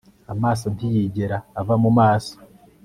amaso ntiyigera ava mu maso